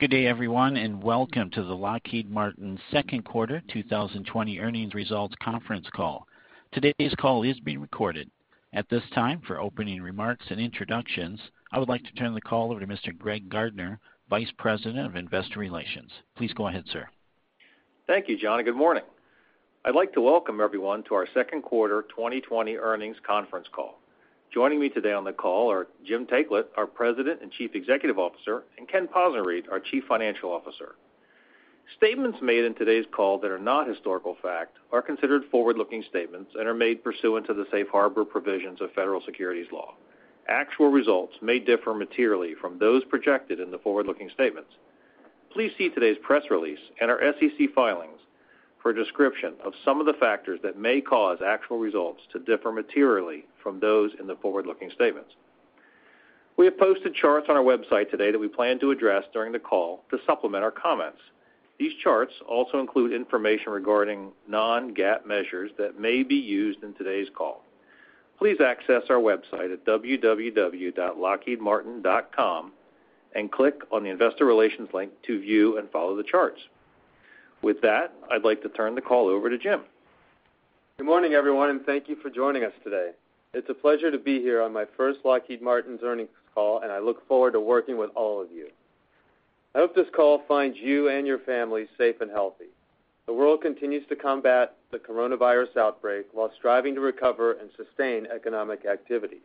Good day, everyone, welcome to the Lockheed Martin second quarter 2020 earnings results conference call. Today's call is being recorded. At this time, for opening remarks and introductions, I would like to turn the call over to Mr. Greg Gardner, Vice President of Investor Relations. Please go ahead, sir. Thank you, John, and good morning. I'd like to welcome everyone to our second quarter 2020 earnings conference call. Joining me today on the call are Jim Taiclet, our President and Chief Executive Officer, and Ken Possenriede, our Chief Financial Officer. Statements made in today's call that are not historical fact are considered forward-looking statements and are made pursuant to the safe harbor provisions of federal securities law. Actual results may differ materially from those projected in the forward-looking statements. Please see today's press release and our SEC filings for a description of some of the factors that may cause actual results to differ materially from those in the forward-looking statements. We have posted charts on our website today that we plan to address during the call to supplement our comments. These charts also include information regarding non-GAAP measures that may be used in today's call. Please access our website at www.lockheedmartin.com and click on the Investor Relations link to view and follow the charts. With that, I'd like to turn the call over to Jim. Good morning, everyone. Thank you for joining us today. It's a pleasure to be here on my first Lockheed Martin earnings call, and I look forward to working with all of you. I hope this call finds you and your family safe and healthy. The world continues to combat the coronavirus outbreak while striving to recover and sustain economic activity.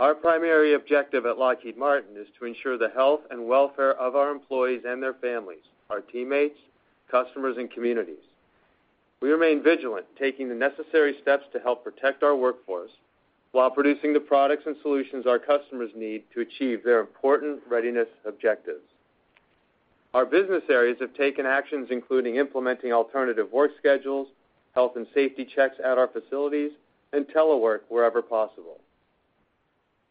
Our primary objective at Lockheed Martin is to ensure the health and welfare of our employees and their families, our teammates, customers, and communities. We remain vigilant, taking the necessary steps to help protect our workforce while producing the products and solutions our customers need to achieve their important readiness objectives. Our business areas have taken actions including implementing alternative work schedules, health and safety checks at our facilities, and telework wherever possible.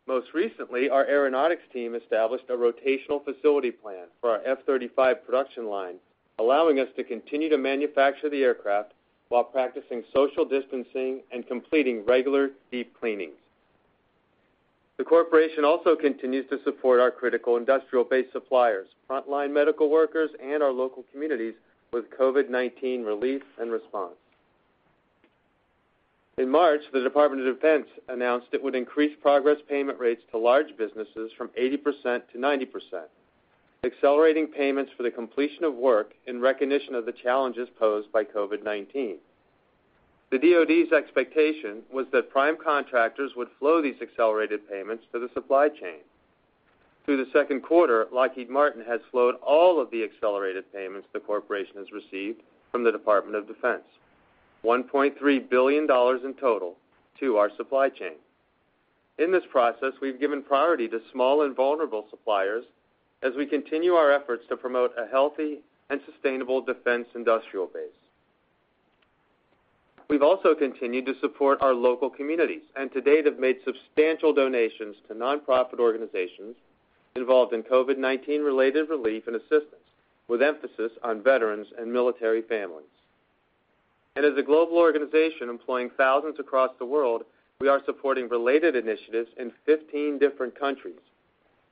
Most recently, our Aeronautics team established a rotational facility plan for our F-35 production line, allowing us to continue to manufacture the aircraft while practicing social distancing and completing regular deep cleanings. The corporation also continues to support our critical industrial base suppliers, frontline medical workers, and our local communities with COVID-19 relief and response. In March, the Department of Defense announced it would increase progress payment rates to large businesses from 80% to 90%, accelerating payments for the completion of work in recognition of the challenges posed by COVID-19. The DoD's expectation was that prime contractors would flow these accelerated payments to the supply chain. Through the second quarter, Lockheed Martin has flowed all of the accelerated payments the corporation has received from the Department of Defense, $1.3 billion in total, to our supply chain. In this process, we've given priority to small and vulnerable suppliers as we continue our efforts to promote a healthy and sustainable defense industrial base. We've also continued to support our local communities, and to date have made substantial donations to non-profit organizations involved in COVID-19 related relief and assistance, with emphasis on veterans and military families. As a global organization employing thousands across the world, we are supporting related initiatives in 15 different countries,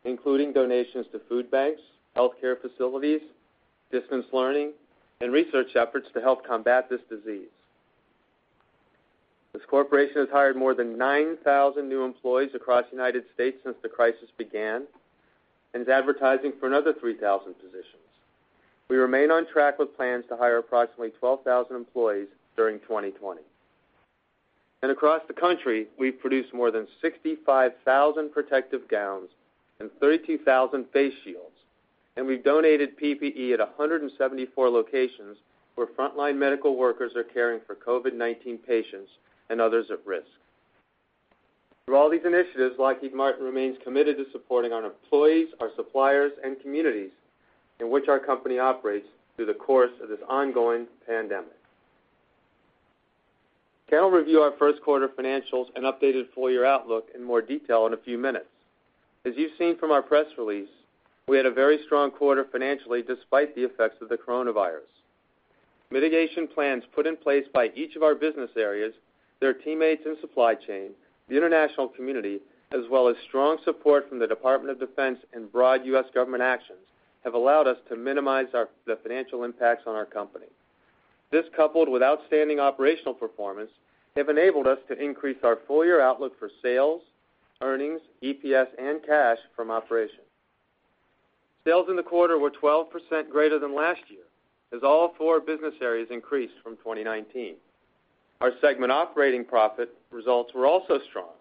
including donations to food banks, healthcare facilities, distance learning, and research efforts to help combat this disease. This corporation has hired more than 9,000 new employees across the United States since the crisis began and is advertising for another 3,000 positions. We remain on track with plans to hire approximately 12,000 employees during 2020. Across the country, we've produced more than 65,000 protective gowns and 32,000 face shields, and we've donated PPE at 174 locations where frontline medical workers are caring for COVID-19 patients and others at risk. Through all these initiatives, Lockheed Martin remains committed to supporting our employees, our suppliers, and communities in which our company operates through the course of this ongoing pandemic. Ken will review our first quarter financials and updated full-year outlook in more detail in a few minutes. As you've seen from our press release, we had a very strong quarter financially despite the effects of the coronavirus. Mitigation plans put in place by each of our Business Areas, their teammates and supply chain, the international community, as well as strong support from the Department of Defense and broad U.S. government actions have allowed us to minimize the financial impacts on our company. This, coupled with outstanding operational performance, have enabled us to increase our full-year outlook for sales, earnings, EPS, and cash from operations. Sales in the quarter were 12% greater than last year, as all 4 Business Areas increased from 2019. Our segment operating profit results were also strong,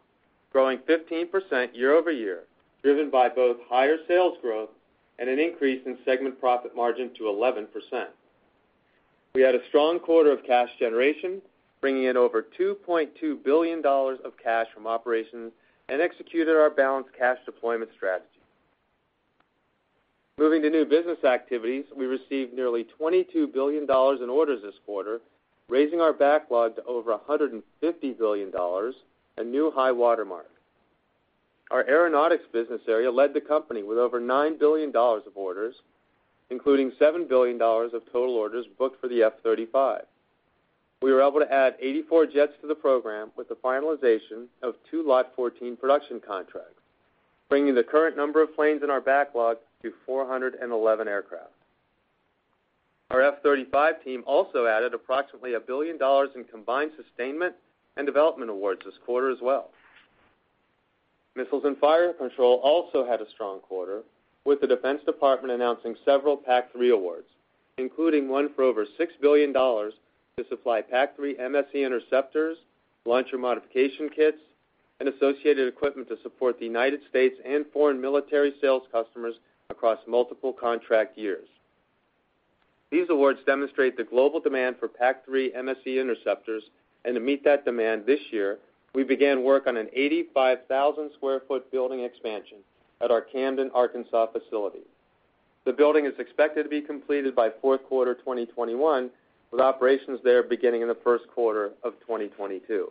growing 15% year-over-year, driven by both higher sales growth and an increase in segment profit margin to 11%. We had a strong quarter of cash generation, bringing in over $2.2 billion of cash from operations and executed our balanced cash deployment strategy. Moving to new business activities, we received nearly $22 billion in orders this quarter, raising our backlog to over $150 billion, a new high watermark. Our Aeronautics Business Area led the company with over $9 billion of orders, including $7 billion of total orders booked for the F-35. We were able to add 84 jets to the program with the finalization of two Lot 14 production contracts, bringing the current number of planes in our backlog to 411 aircraft. Our F-35 team also added approximately $1 billion in combined sustainment and development awards this quarter as well. Missiles and Fire Control also had a strong quarter, with the Defense Department announcing several PAC-3 awards, including one for over $6 billion to supply PAC-3 MSE interceptors, launcher modification kits, and associated equipment to support the United States and foreign military sales customers across multiple contract years. These awards demonstrate the global demand for PAC-3 MSE interceptors. To meet that demand this year, we began work on an 85,000 sq ft building expansion at our Camden, Arkansas facility. The building is expected to be completed by fourth quarter 2021, with operations there beginning in the first quarter of 2022.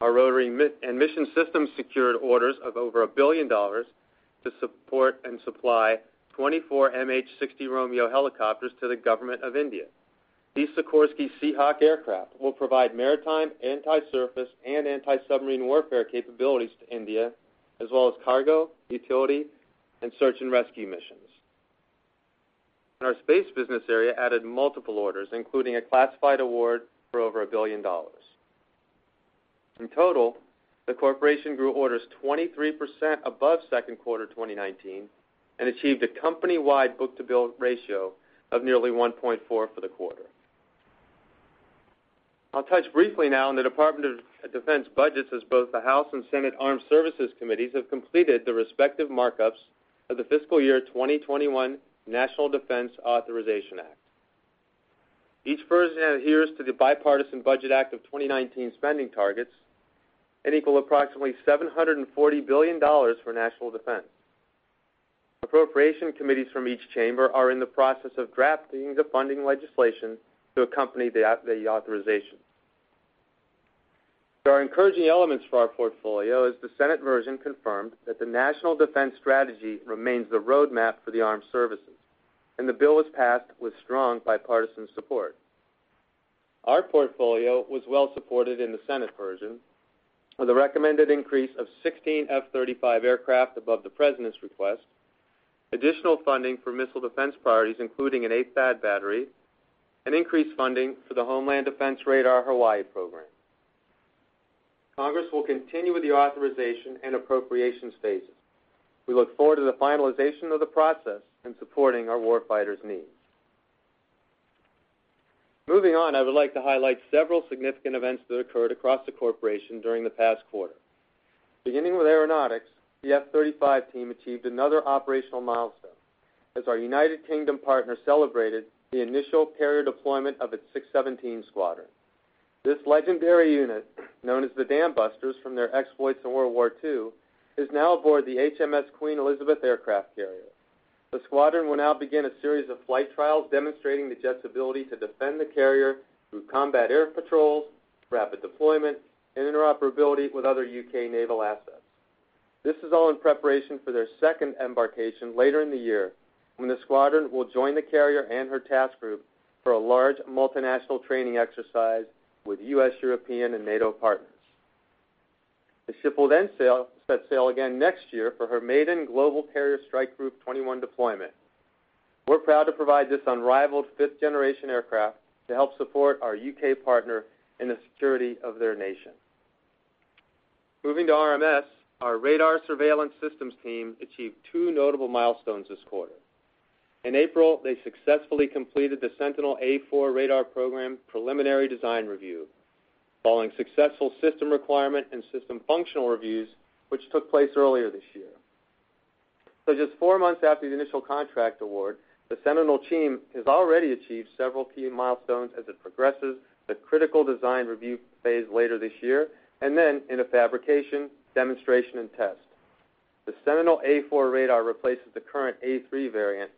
Our Rotary and Mission Systems secured orders of over $1 billion to support and supply 24 MH-60 Romeo helicopters to the government of India. These Sikorsky Seahawk aircraft will provide maritime, anti-surface, and anti-submarine warfare capabilities to India, as well as cargo, utility, and search and rescue missions. Our space business area added multiple orders, including a classified award for over $1 billion. In total, the corporation grew orders 23% above second quarter 2019 and achieved a company-wide book-to-bill ratio of nearly 1.4 for the quarter. I'll touch briefly now on the Department of Defense budgets, as both the House and Senate Armed Services Committees have completed the respective markups of the fiscal year 2021 National Defense Authorization Act. Each version adheres to the Bipartisan Budget Act of 2019 spending targets and equal approximately $740 billion for national defense. Appropriation committees from each chamber are in the process of drafting the funding legislation to accompany the authorization. There are encouraging elements for our portfolio, as the Senate version confirmed that the National Defense Strategy remains the roadmap for the armed services, and the bill was passed with strong bipartisan support. Our portfolio was well supported in the Senate version, with a recommended increase of 16 F-35 aircraft above the president's request, additional funding for missile defense priorities, including an Aegis Ashore battery, and increased funding for the Homeland Defense Radar-Hawaii program. Congress will continue with the authorization and appropriations phases. We look forward to the finalization of the process in supporting our war fighters' needs. Moving on, I would like to highlight several significant events that occurred across the corporation during the past quarter. Beginning with Aeronautics, the F-35 team achieved another operational milestone as our United Kingdom partner celebrated the initial carrier deployment of its 617 Squadron. This legendary unit, known as the Dambusters from their exploits in World War II, is now aboard the HMS Queen Elizabeth aircraft carrier. The squadron will now begin a series of flight trials demonstrating the jet's ability to defend the carrier through combat air patrols, rapid deployment, and interoperability with other U.K. naval assets. This is all in preparation for their second embarkation later in the year, when the squadron will join the carrier and her task group for a large multinational training exercise with U.S., European, and NATO partners. The ship will set sail again next year for her maiden global Carrier Strike Group 21 deployment. We're proud to provide this unrivaled fifth generation aircraft to help support our U.K. partner in the security of their nation. Moving to RMS, our radar surveillance systems team achieved two notable milestones this quarter. In April, they successfully completed the Sentinel A4 Radar Program Preliminary Design Review, following successful system requirement and system functional reviews, which took place earlier this year. Just 4 months after the initial contract award, the Sentinel team has already achieved several key milestones as it progresses to critical design review phase later this year, and then into fabrication, demonstration, and test. The Sentinel A4 radar replaces the current A3 variant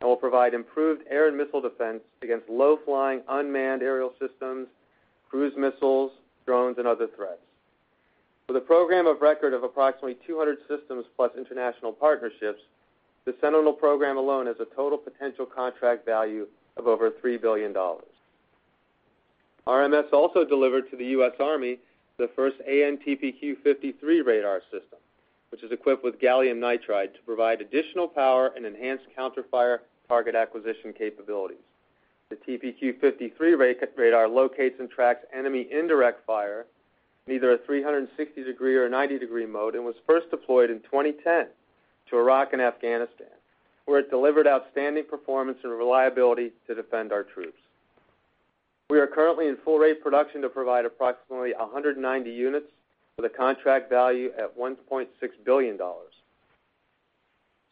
and will provide improved air and missile defense against low-flying unmanned aerial systems, cruise missiles, drones, and other threats. With a program of record of approximately 200 systems plus international partnerships, the Sentinel program alone has a total potential contract value of over $3 billion. RMS also delivered to the U.S. Army the first AN/TPQ-53 radar system, which is equipped with gallium nitride to provide additional power and enhanced counter fire target acquisition capabilities. The TPQ-53 radar locates and tracks enemy indirect fire in either a 360-degree or 90-degree mode and was first deployed in 2010 to Iraq and Afghanistan, where it delivered outstanding performance and reliability to defend our troops. We are currently in full rate production to provide approximately 190 units with a contract value at $1.6 billion.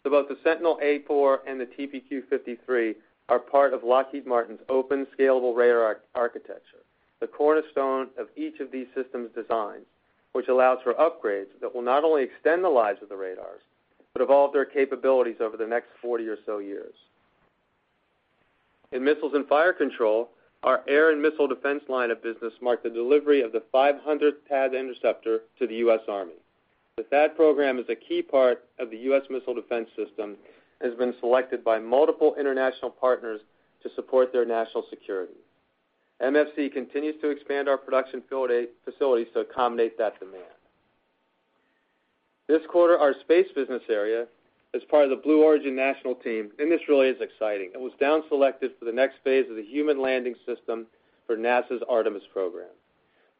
Both the Sentinel A4 and the TPQ-53 are part of Lockheed Martin's Open Scalable Radar Architecture, the cornerstone of each of these systems' designs, which allows for upgrades that will not only extend the lives of the radars, but evolve their capabilities over the next 40 or so years. In Missiles and Fire Control, our air and missile defense line of business marked the delivery of the 500th PAC-3 interceptor to the U.S. Army. That program is a key part of the U.S. Missile Defense System and has been selected by multiple international partners to support their national security. MFC continues to expand our production facilities to accommodate that demand. This quarter, our space business area is part of the Blue Origin national team, this really is exciting. It was down selected for the next phase of the human landing system for NASA's Artemis program.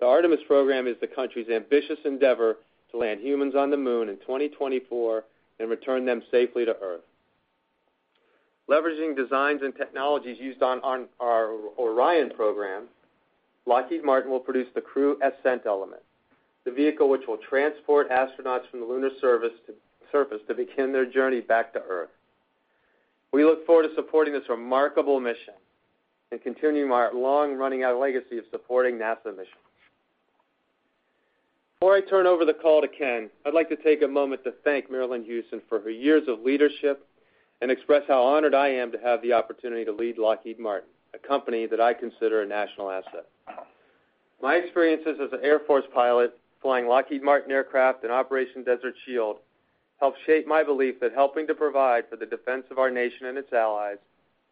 The Artemis program is the country's ambitious endeavor to land humans on the Moon in 2024 and return them safely to Earth. Leveraging designs and technologies used on our Orion program, Lockheed Martin will produce the crew ascent element, the vehicle which will transport astronauts from the lunar surface to begin their journey back to Earth. We look forward to supporting this remarkable mission and continuing our long-running legacy of supporting NASA missions. Before I turn over the call to Ken, I'd like to take a moment to thank Marillyn Hewson for her years of leadership and express how honored I am to have the opportunity to lead Lockheed Martin, a company that I consider a national asset. My experiences as an Air Force pilot flying Lockheed Martin aircraft in Operation Desert Shield helped shape my belief that helping to provide for the defense of our nation and its allies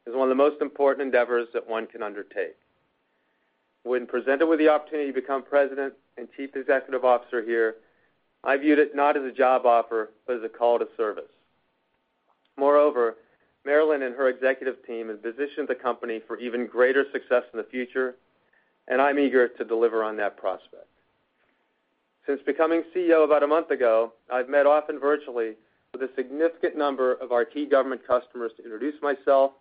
is one of the most important endeavors that one can undertake. When presented with the opportunity to become president and chief executive officer here, I viewed it not as a job offer, but as a call to service. Moreover, Marillyn and her executive team have positioned the company for even greater success in the future, and I'm eager to deliver on that prospect. Since becoming CEO about a month ago, I've met often virtually with a significant number of our key government customers to introduce myself,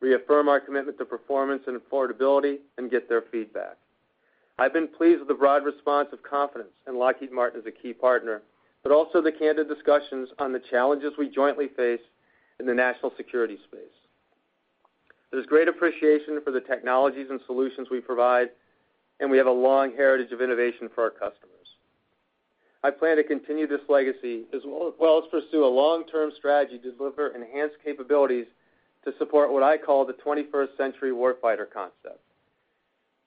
reaffirm our commitment to performance and affordability, and get their feedback. I've been pleased with the broad response of confidence in Lockheed Martin as a key partner, but also the candid discussions on the challenges we jointly face in the national security space. There's great appreciation for the technologies and solutions we provide, and we have a long heritage of innovation for our customers. I plan to continue this legacy, while let's pursue a long-term strategy to deliver enhanced capabilities to support what I call the 21st Century Warfighter Concept.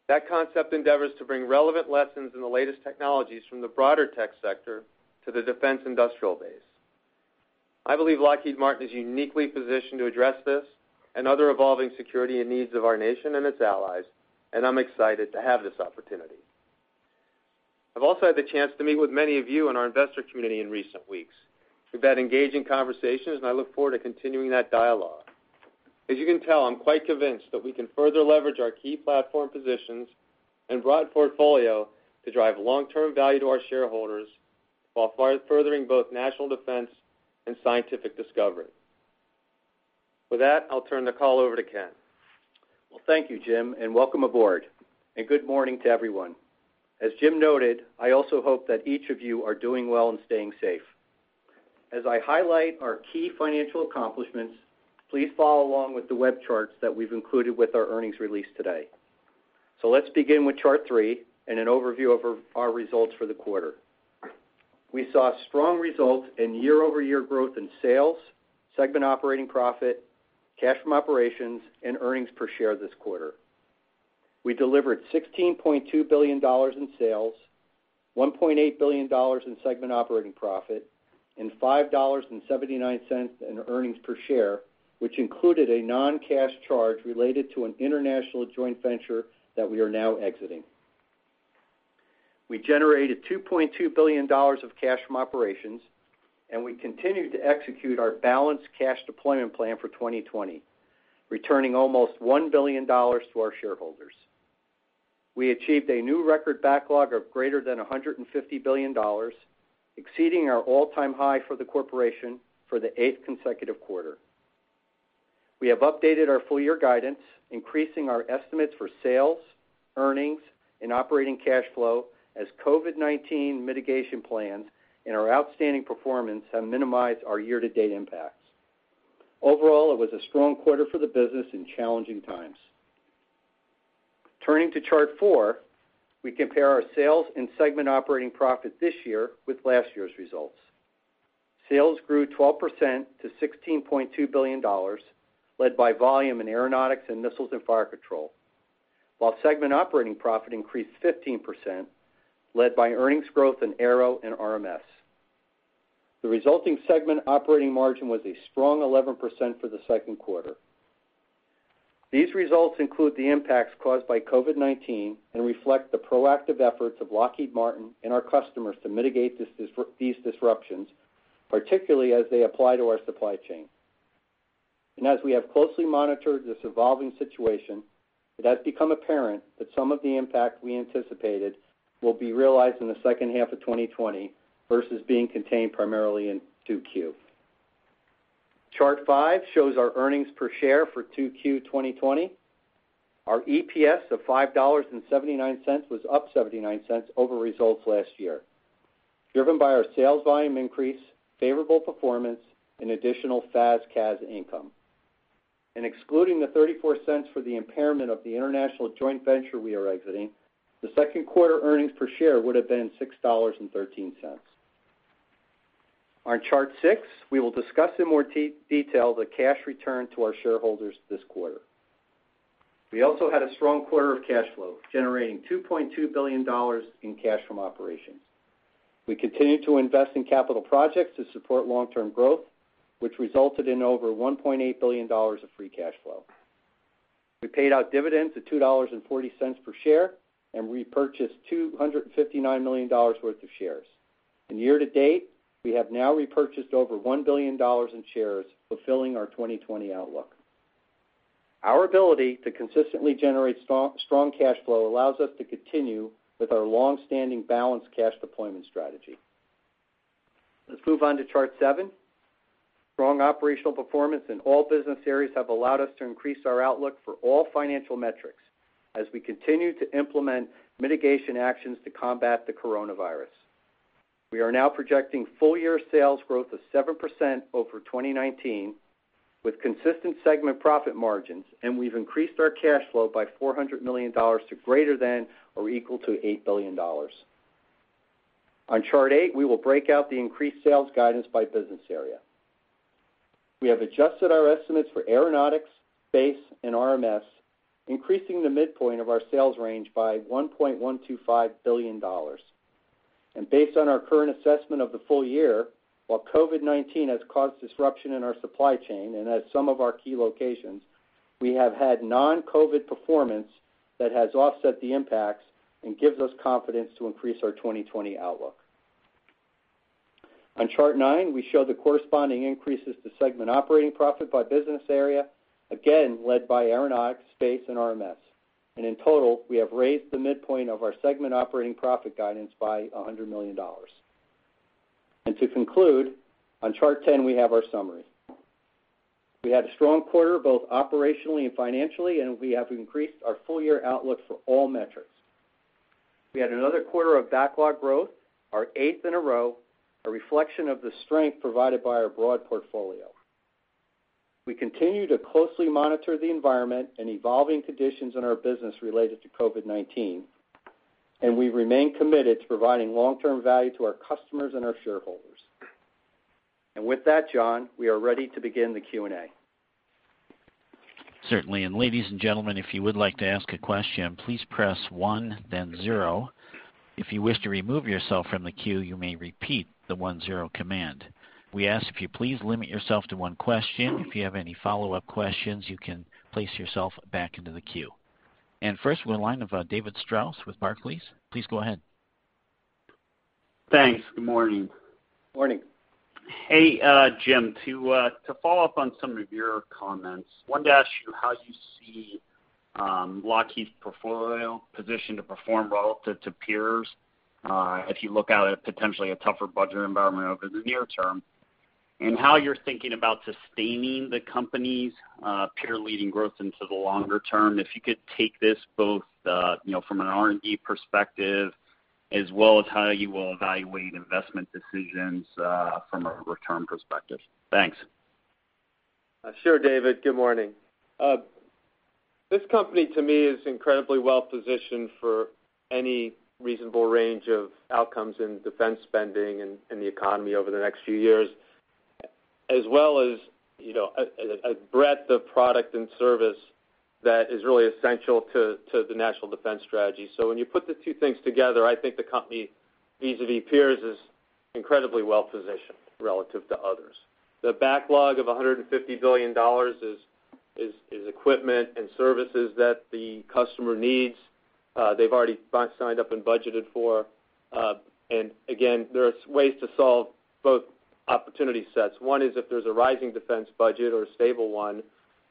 That concept endeavors to bring relevant lessons and the latest technologies from the broader tech sector to the defense industrial base. I believe Lockheed Martin is uniquely positioned to address this and other evolving security needs of our nation and its allies, and I'm excited to have this opportunity. I've also had the chance to meet with many of you in our investor community in recent weeks. We've had engaging conversations, and I look forward to continuing that dialogue. As you can tell, I'm quite convinced that we can further leverage our key platform positions and broad portfolio to drive long-term value to our shareholders while furthering both national defense and scientific discovery. With that, I'll turn the call over to Ken. Well, thank you, Jim, welcome aboard. Good morning to everyone. As Jim noted, I also hope that each of you are doing well and staying safe. As I highlight our key financial accomplishments, please follow along with the web charts that we've included with our earnings release today. Let's begin with Chart 3 and an overview of our results for the quarter. We saw strong results in year-over-year growth in sales, segment operating profit, cash from operations, and earnings per share this quarter. We delivered $16.2 billion in sales, $1.8 billion in segment operating profit, and $5.79 in earnings per share, which included a non-cash charge related to an international joint venture that we are now exiting. We generated $2.2 billion of cash from operations, and we continued to execute our balanced cash deployment plan for 2020, returning almost $1 billion to our shareholders. We achieved a new record backlog of greater than $150 billion, exceeding our all-time high for the corporation for the eighth consecutive quarter. We have updated our full year guidance, increasing our estimates for sales, earnings, and operating cash flow as COVID-19 mitigation plans and our outstanding performance have minimized our year-to-date impacts. Overall, it was a strong quarter for the business in challenging times. Turning to Chart four, we compare our sales and segment operating profit this year with last year's results. Sales grew 12% to $16.2 billion, led by volume in Aeronautics and Missiles and Fire Control. While segment operating profit increased 15%, led by earnings growth in Aero and RMS. The resulting segment operating margin was a strong 11% for the second quarter. These results include the impacts caused by COVID-19 and reflect the proactive efforts of Lockheed Martin and our customers to mitigate these disruptions, particularly as they apply to our supply chain. As we have closely monitored this evolving situation, it has become apparent that some of the impact we anticipated will be realized in the second half of 2020 versus being contained primarily in 2Q. Chart 5 shows our earnings per share for 2Q 2020. Our EPS of $5.79 was up $0.79 over results last year, driven by our sales volume increase, favorable performance, and additional FAS/CAS income. Excluding the $0.34 for the impairment of the international joint venture we are exiting, the second quarter earnings per share would've been $6.13. On Chart 6, we will discuss in more detail the cash returned to our shareholders this quarter. We also had a strong quarter of cash flow, generating $2.2 billion in cash from operations. We continued to invest in capital projects to support long-term growth, which resulted in over $1.8 billion of free cash flow. We paid out dividends of $2.40 per share and repurchased $259 million worth of shares. Year to date, we have now repurchased over $1 billion in shares, fulfilling our 2020 outlook. Our ability to consistently generate strong cash flow allows us to continue with our long-standing balanced cash deployment strategy. Let's move on to Chart seven. Strong operational performance in all Business Areas have allowed us to increase our outlook for all financial metrics as we continue to implement mitigation actions to combat the coronavirus. We are now projecting full-year sales growth of 7% over 2019 with consistent segment profit margins, and we've increased our cash flow by $400 million to greater than or equal to $8 billion. On Chart 8, we will break out the increased sales guidance by business area. We have adjusted our estimates for Aeronautics, Space, and RMS, increasing the midpoint of our sales range by $1.125 billion. Based on our current assessment of the full year, while COVID-19 has caused disruption in our supply chain and at some of our key locations, we have had non-COVID performance that has offset the impacts and gives us confidence to increase our 2020 outlook. On Chart 9, we show the corresponding increases to segment operating profit by business area, again led by Aeronautics, Space, and RMS. In total, we have raised the midpoint of our segment operating profit guidance by $100 million. To conclude, on Chart 10, we have our summary. We had a strong quarter, both operationally and financially, and we have increased our full-year outlook for all metrics. We had another quarter of backlog growth, our eighth in a row, a reflection of the strength provided by our broad portfolio. We continue to closely monitor the environment and evolving conditions in our business related to COVID-19, and we remain committed to providing long-term value to our customers and our shareholders. With that, John, we are ready to begin the Q&A. Certainly. Ladies and gentlemen, if you would like to ask a question, please press one, then zero. If you wish to remove yourself from the queue, you may repeat the one-zero command. We ask if you please limit yourself to one question. If you have any follow-up questions, you can place yourself back into the queue. First, we'll line up David Strauss with Barclays. Please go ahead. Thanks. Good morning. Morning. Hey, Jim, to follow up on some of your comments, wanted to ask you how you see Lockheed's portfolio positioned to perform relative to peers, if you look out at potentially a tougher budget environment over the near term, and how you're thinking about sustaining the company's peer-leading growth into the longer term. If you could take this both from an R&D perspective as well as how you will evaluate investment decisions from a return perspective. Thanks. Sure, David. Good morning. This company to me is incredibly well-positioned for any reasonable range of outcomes in defense spending and the economy over the next few years, as well as a breadth of product and service that is really essential to the National Defense Strategy. When you put the two things together, I think the company vis-a-vis peers is incredibly well-positioned relative to others. The backlog of $150 billion is equipment and services that the customer needs. They've already signed up and budgeted for. Again, there's ways to solve both opportunity sets. One is if there's a rising defense budget or a stable one,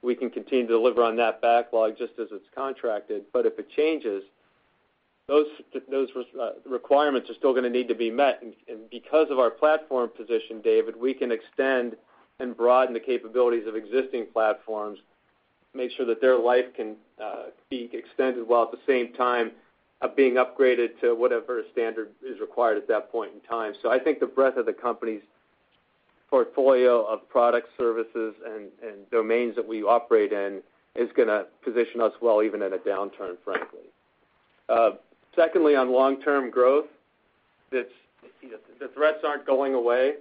we can continue to deliver on that backlog just as it's contracted. If it changes, those requirements are still going to need to be met. Because of our platform position, David, we can extend and broaden the capabilities of existing platforms to make sure that their life can be extended while at the same time being upgraded to whatever standard is required at that point in time. I think the breadth of the company's portfolio of products, services, and domains that we operate in is going to position us well, even in a downturn, frankly. Secondly, on long-term growth, the threats aren't going away.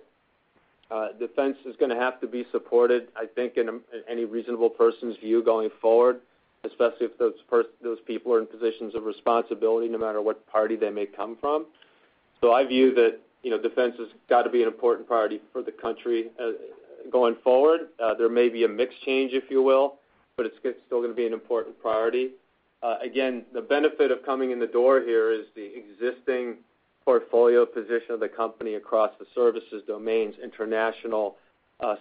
Defense is going to have to be supported, I think, in any reasonable person's view, going forward, especially if those people are in positions of responsibility, no matter what party they may come from. I view that Defense has got to be an important priority for the country going forward. There may be a mix change, if you will, but it's still going to be an important priority. Again, the benefit of coming in the door here is the existing portfolio position of the company across the services, domains, international,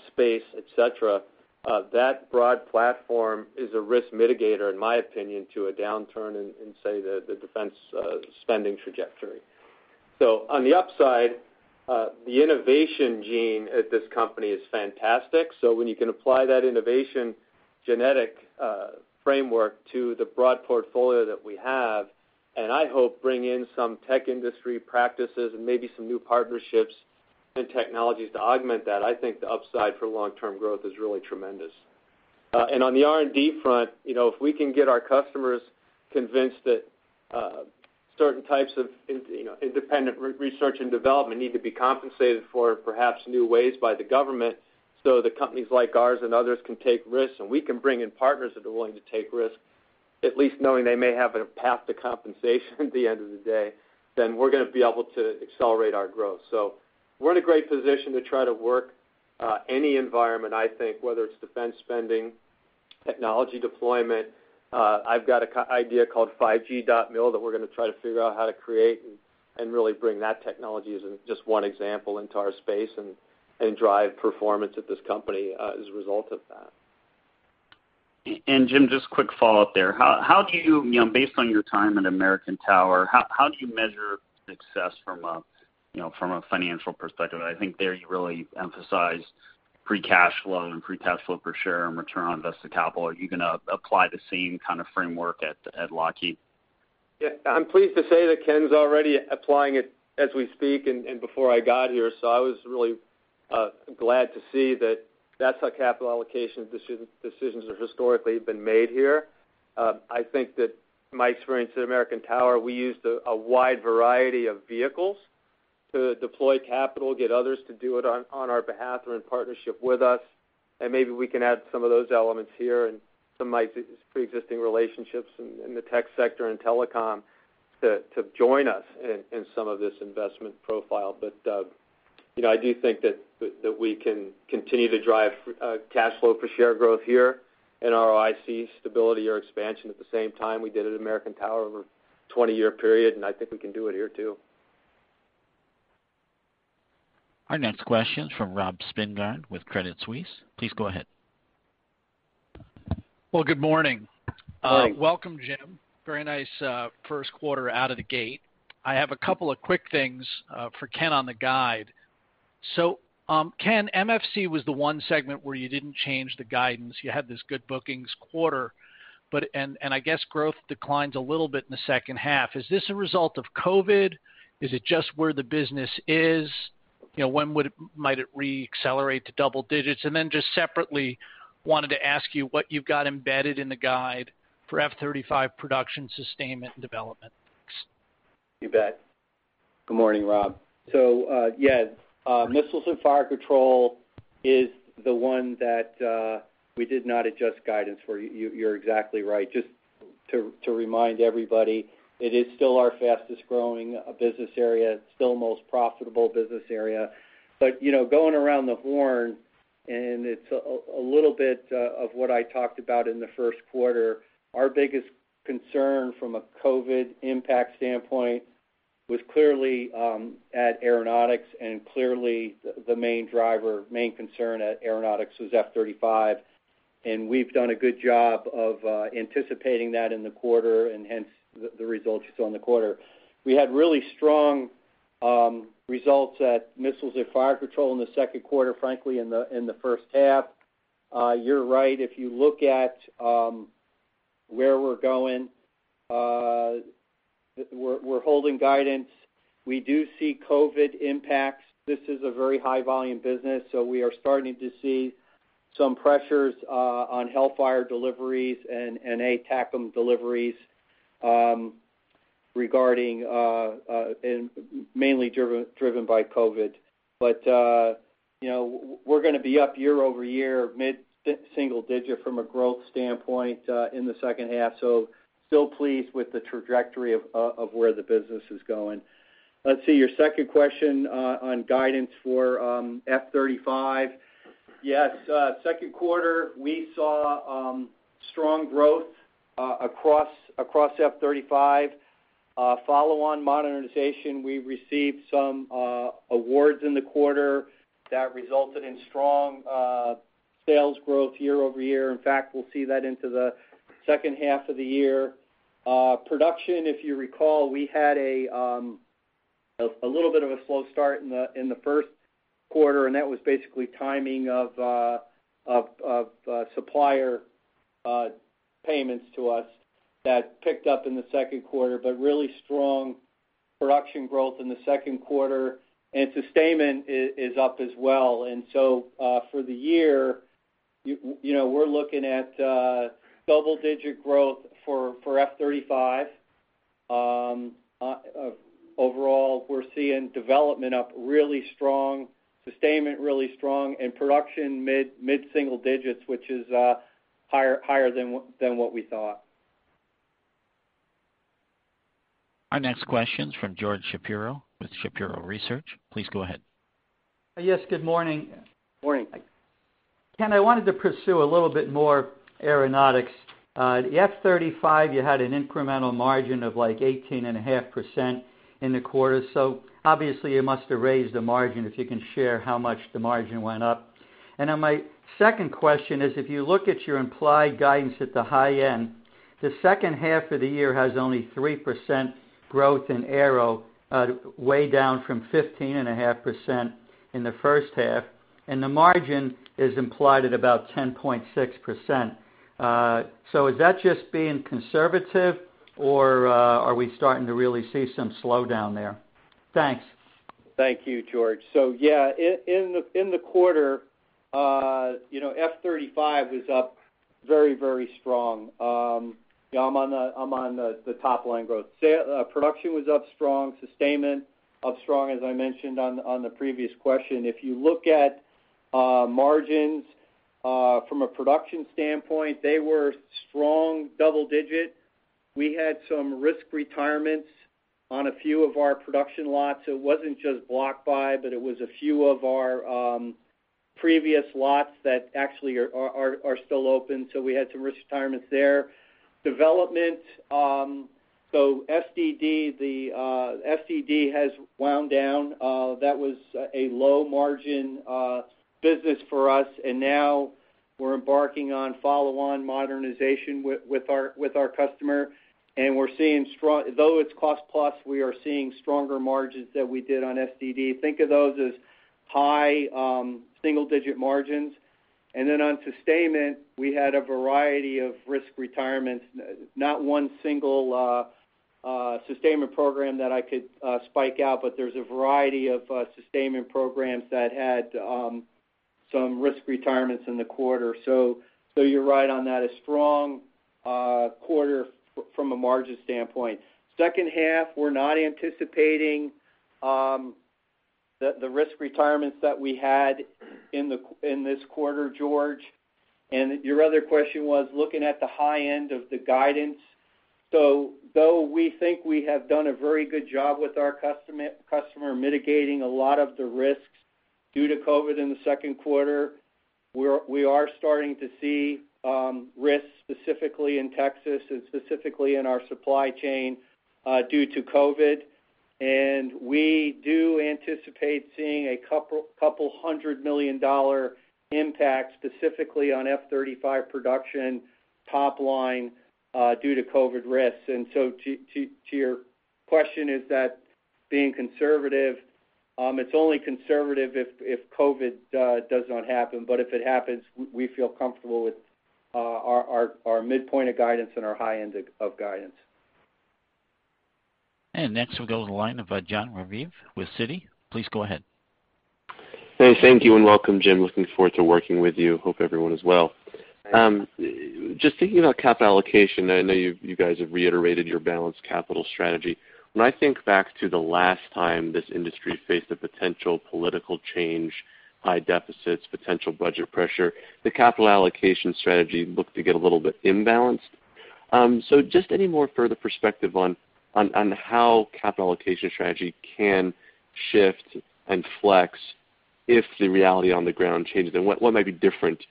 space, et cetera. That broad platform is a risk mitigator, in my opinion, to a downturn in, say, the defense spending trajectory. On the upside, the innovation gene at this company is fantastic. When you can apply that innovation genetic framework to the broad portfolio that we have, and I hope bring in some tech industry practices and maybe some new partnerships and technologies to augment that, I think the upside for long-term growth is really tremendous. On the R&D front, if we can get our customers convinced that Certain types of independent research and development need to be compensated for, perhaps new ways by the government, so that companies like ours and others can take risks, and we can bring in partners that are willing to take risks, at least knowing they may have a path to compensation at the end of the day, then we're going to be able to accelerate our growth. We're in a great position to try to work any environment, I think, whether it's defense spending, technology deployment. I've got an idea called 5G.MIL that we're going to try to figure out how to create and really bring that technology as just one example into our space and drive performance at this company as a result of that. Jim, just quick follow-up there. Based on your time at American Tower, how do you measure success from a financial perspective? I think there you really emphasized free cash flow and free cash flow per share and return on invested capital. Are you going to apply the same kind of framework at Lockheed? Yeah. I'm pleased to say that Ken's already applying it as we speak and before I got here. I was really glad to see that that's how capital allocation decisions have historically been made here. I think that my experience at American Tower, we used a wide variety of vehicles to deploy capital, get others to do it on our behalf or in partnership with us, and maybe we can add some of those elements here and some of my pre-existing relationships in the tech sector and telecom to join us in some of this investment profile. I do think that we can continue to drive cash flow per share growth here and ROIC stability or expansion at the same time we did at American Tower over a 20-year period, and I think we can do it here, too. Our next question's from Robert Spingarn with Credit Suisse. Please go ahead. Well, good morning. Hi. Welcome, Jim. Very nice first quarter out of the gate. I have a couple of quick things for Ken on the guide. Ken, MFC was the one segment where you didn't change the guidance. You had this good bookings quarter, and I guess growth declines a little bit in the second half. Is this a result of COVID-19? Is it just where the business is? When might it re-accelerate to double digits? Just separately, wanted to ask you what you've got embedded in the guide for F-35 production sustainment and development. Thanks. You bet. Good morning, Rob. Missiles and Fire Control is the one that we did not adjust guidance for. You're exactly right. Just to remind everybody, it is still our fastest-growing business area. It's still the most profitable business area. Going around the horn, and it's a little bit of what I talked about in the first quarter, our biggest concern from a COVID impact standpoint was clearly at Aeronautics, and clearly the main driver, main concern at Aeronautics was F-35, and we've done a good job of anticipating that in the quarter, and hence the results you saw in the quarter. We had really strong results at Missiles and Fire Control in the second quarter, frankly, in the first half. You're right. If you look at where we're going, we're holding guidance. We do see COVID impacts. This is a very high volume business. We are starting to see some pressures on Hellfire deliveries and ATACMS deliveries regarding, and mainly driven by COVID. We're going to be up year-over-year mid-single digit from a growth standpoint in the second half. Still pleased with the trajectory of where the business is going. Let's see, your second question on guidance for F-35. Yes. Second quarter, we saw strong growth across F-35. Follow-on modernization, we received some awards in the quarter that resulted in strong sales growth year-over-year. In fact, we'll see that into the second half of the year. Production, if you recall, we had a little bit of a slow start in the first quarter, and that was basically timing of supplier payments to us that picked up in the second quarter, but really strong production growth in the second quarter. Sustainment is up as well. For the year, we're looking at double-digit growth for F-35. Overall, we're seeing development up really strong, sustainment really strong, and production mid-single digits, which is higher than what we thought. Our next question's from George Shapiro with Shapiro Research. Please go ahead. Yes. Good morning. Morning. Ken, I wanted to pursue a little bit more Aeronautics. The F-35, you had an incremental margin of 18.5% in the quarter. Obviously you must have raised the margin if you can share how much the margin went up. My second question is, if you look at your implied guidance at the high end, the second half of the year has only 3% growth in Aero, way down from 15.5% in the first half, and the margin is implied at about 10.6%. Is that just being conservative or are we starting to really see some slowdown there? Thanks. Thank you, George. Yeah, in the quarter, F-35 was up very strong. I'm on the top line growth. Production was up strong, sustainment up strong, as I mentioned on the previous question. If you look at margins from a production standpoint, they were strong double-digit. We had some risk retirements on a few of our production lots. It wasn't just block buy, but it was a few of our previous lots that actually are still open, so we had some risk retirements there. Development. FDD has wound down. That was a low-margin business for us. Now we're embarking on follow-on modernization with our customer. Though it's cost-plus, we are seeing stronger margins than we did on FDD. Think of those as high single-digit margins. Then on sustainment, we had a variety of risk retirements, not one single sustainment program that I could spike out, but there's a variety of sustainment programs that had some risk retirements in the quarter. You're right on that. A strong quarter from a margin standpoint. Second half, we're not anticipating the risk retirements that we had in this quarter, George. Your other question was looking at the high end of the guidance. Though we think we have done a very good job with our customer mitigating a lot of the risks due to COVID in the second quarter, we are starting to see risks specifically in Texas and specifically in our supply chain, due to COVID. We do anticipate seeing a couple hundred million dollar impact, specifically on F-35 production top line, due to COVID risks. To your question, is that being conservative? It's only conservative if COVID does not happen. If it happens, we feel comfortable with our midpoint of guidance and our high end of guidance. Next we'll go to the line of Jon Raviv with Citi. Please go ahead. Hey, thank you, and welcome, Jim. Looking forward to working with you. Hope everyone is well. Just thinking about capital allocation, I know you guys have reiterated your balanced capital strategy. When I think back to the last time this industry faced a potential political change, high deficits, potential budget pressure, the capital allocation strategy looked to get a little bit imbalanced. Just any more further perspective on how capital allocation strategy can shift and flex if the reality on the ground changes, and what might be different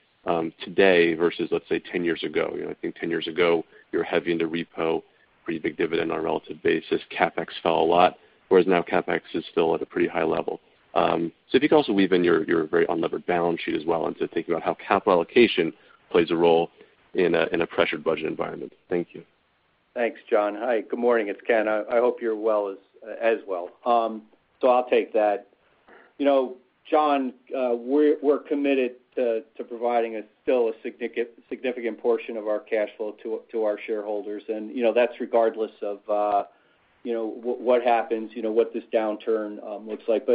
today versus, let's say, ten years ago? I think ten years ago, you were heavy into repo, pretty big dividend on a relative basis. CapEx fell a lot, whereas now CapEx is still at a pretty high level. If you could also weave in your very unlevered balance sheet as well into thinking about how capital allocation plays a role in a pressured budget environment. Thank you. Thanks, John. Hi, good morning. It's Ken. I hope you're well as well. I'll take that. John, we're committed to providing still a significant portion of our cash flow to our shareholders. That's regardless of what happens, what this downturn looks like.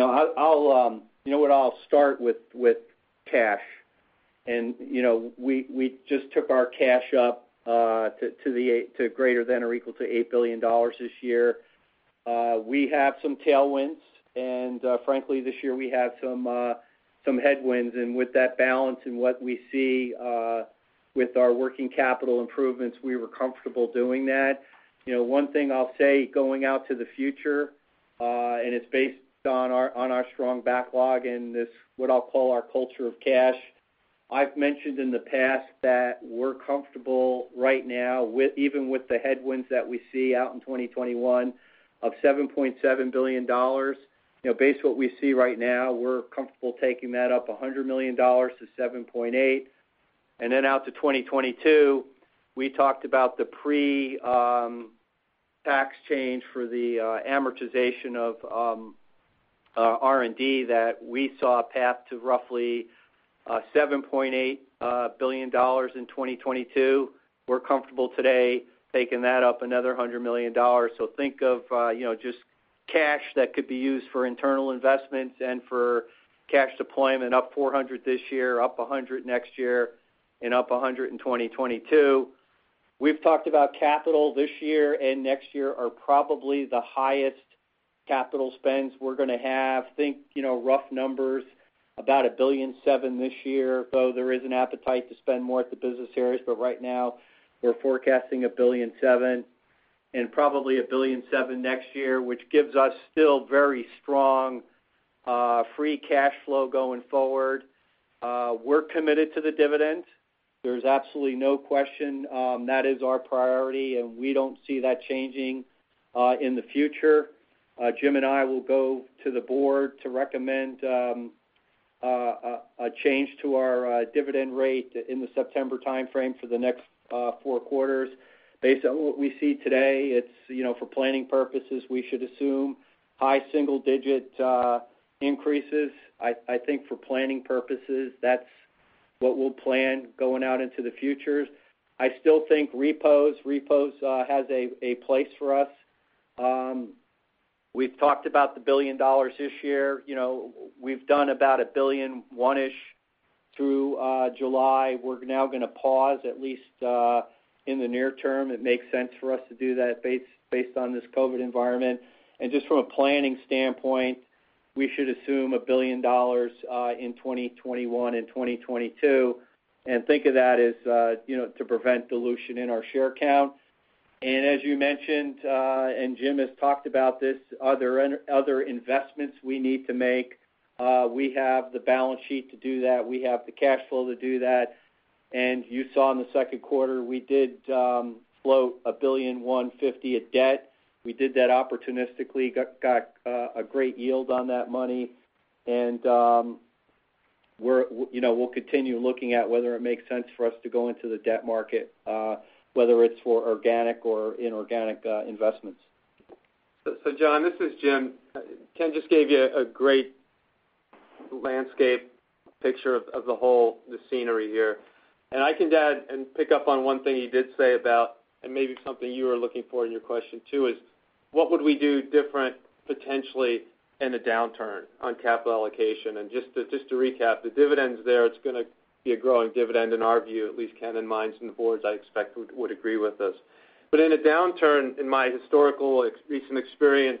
I'll start with cash. We just took our cash up to greater than or equal to $8 billion this year. We have some tailwinds, and frankly, this year we had some headwinds. With that balance and what we see with our working capital improvements, we were comfortable doing that. One thing I'll say going out to the future, and it's based on our strong backlog and this, what I'll call our culture of cash. I've mentioned in the past that we're comfortable right now, even with the headwinds that we see out in 2021 of $7.7 billion. Based on what we see right now, we're comfortable taking that up $100 million to $7.8 billion. Out to 2022, we talked about the pre-tax change for the amortization of R&D that we saw a path to roughly $7.8 billion in 2022. We're comfortable today taking that up another $100 million. Think of just cash that could be used for internal investments and for cash deployment up $400 million this year, up $100 million next year, and up $100 million in 2022. We've talked about capital this year and next year are probably the highest capital spends we're going to have. Think rough numbers, about $1.7 billion this year, though there is an appetite to spend more at the Business Areas. Right now we're forecasting $1.7 billion, and probably $1.7 billion next year, which gives us still very strong free cash flow going forward. We're committed to the dividend. There's absolutely no question. That is our priority. We don't see that changing in the future. Jim and I will go to the board to recommend a change to our dividend rate in the September timeframe for the next four quarters. Based on what we see today, for planning purposes, we should assume high single-digit increases. I think for planning purposes, that's what we'll plan going out into the future. I still think repos has a place for us. We've talked about the $1 billion this year. We've done about $1 billion, one-ish, through July. We're now going to pause, at least in the near term. It makes sense for us to do that based on this COVID-19 environment. Just from a planning standpoint, we should assume $1 billion in 2021 and 2022, and think of that as to prevent dilution in our share count. As you mentioned, and Jim has talked about this, are there other investments we need to make? We have the balance sheet to do that. We have the cash flow to do that. You saw in the second quarter, we did float $1.15 billion of debt. We did that opportunistically, got a great yield on that money. We'll continue looking at whether it makes sense for us to go into the debt market, whether it's for organic or inorganic investments. John, this is Jim. Ken just gave you a great landscape picture of the whole scenery here. I can add and pick up on one thing he did say about, and maybe something you were looking for in your question too, is what would we do different, potentially, in a downturn on capital allocation? Just to recap, the dividend's there. It's going to be a growing dividend, in our view, at least Ken and mine's, and the board's, I expect, would agree with us. In a downturn, in my historical recent experience,